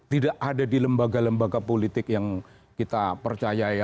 tidak ada di lembaga lembaga politik yang kita percaya ya